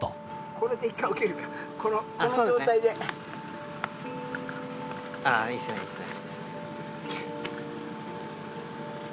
これで一回起きるか、この状あー、いいですね、いいですね。